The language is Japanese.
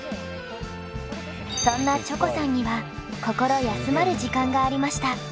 そんなチョコさんには心休まる時間がありました。